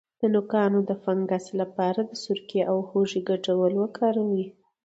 د نوکانو د فنګس لپاره د سرکې او هوږې ګډول وکاروئ